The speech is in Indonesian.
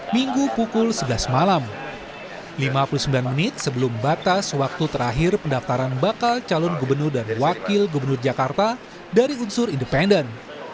minggu pukul sebelas malam lima puluh sembilan menit sebelum batas waktu terakhir pendaftaran bakal calon gubernur dan wakil gubernur jakarta dari unsur independen